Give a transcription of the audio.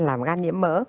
làm gan nhiễm mỡ